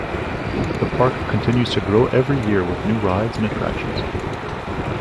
The park continues to grow every year with new rides and attractions.